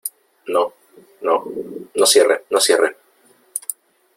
no , no , no cierre , no cierre .